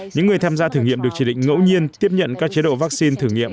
những người tham gia thử nghiệm được chỉ định ngẫu nhiên tiếp nhận các chế độ vaccine thử nghiệm